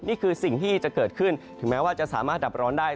นี่คือสิ่งที่จะเกิดขึ้นถึงแม้ว่าจะสามารถดับร้อนได้